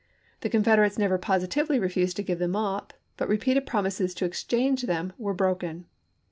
The Con federates never positively refused to give them up ; but repeated promises to exchange them were broken.